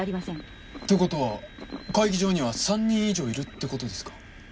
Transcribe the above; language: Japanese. って事は会議場には３人以上いるって事ですか？